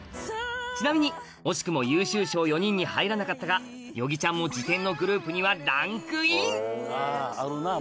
ちなみに惜しくも優秀賞４人に入らなかったが與儀ちゃんも次点のグループにはランクイン！